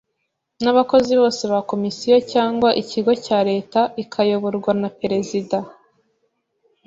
n’abakozi bose ba Komisiyo cyangwa ikigo cya Leta ikayoborwa na perezida